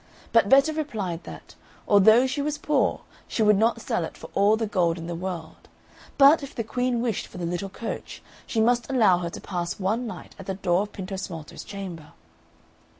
But Betta replied that, although she was poor she would not sell it for all the gold in the world, but if the Queen wished for the little coach, she must allow her to pass one night at the door of Pintosmalto's chamber.